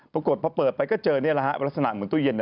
ประกบว่าพอเปิดไปก็เจอเนี่ยล่ะลักษณะเหมือนตู้เย็น